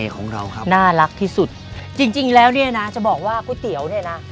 ของเราครับน่ารักที่สุดจริงจริงแล้วเนี่ยนะจะบอกว่าก๋วยเตี๋ยวเนี่ยนะ